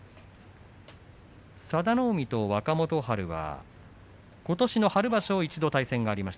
佐田の海と若元春はことしの春場所、一度対戦があります。